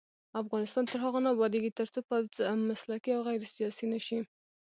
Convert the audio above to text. افغانستان تر هغو نه ابادیږي، ترڅو پوځ مسلکي او غیر سیاسي نشي.